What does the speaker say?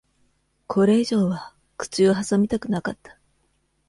これ以上は口を挟みたくなかった。